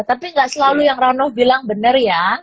tapi gak selalu yang ranov bilang bener ya